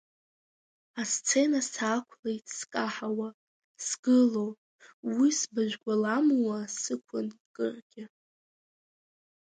Асцена саақәлеит скаҳауа, сгыло, уи сбажәгәаламуа сықәын кыргьы.